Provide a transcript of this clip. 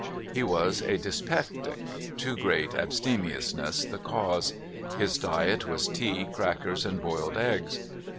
He was a dyspeptic — too great abste miousness the cause, llis diet was tea, crackers, and boiled eg^s.